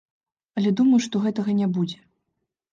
Але думаю, што гэтага не будзе.